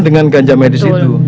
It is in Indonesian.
dengan ganja medis itu